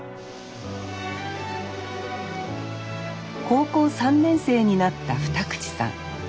高校３年生になった二口さん。